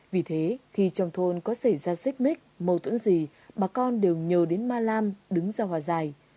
vì thế khi trong thôn có xảy ra xích mích mâu thuẫn gì bà con đều nhờ đến ma lam đứng ra hòa giải